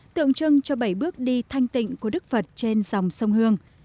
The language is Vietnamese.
tượng trưng cho bảy bước đi thanh tịnh của đức phật trên dòng sông hương